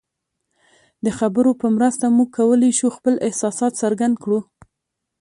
د خبرو په مرسته موږ کولی شو خپل احساسات څرګند کړو.